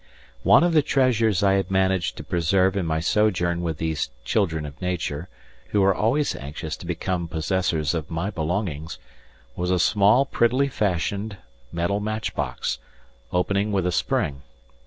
One of the treasures I had managed to preserve in my sojourn with these children of nature, who were always anxious to become possessors of my belongings, was a small prettily fashioned metal match box, opening with a spring.